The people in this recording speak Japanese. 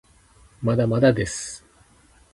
まだまだです